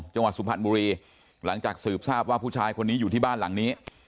จังหวัดสุพรรณบุรีหลังจากสืบทราบว่าผู้ชายคนนี้อยู่ที่บ้านหลังนี้